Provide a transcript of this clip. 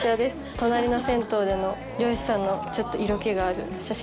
隣の銭湯での漁師さんの色気がある写真。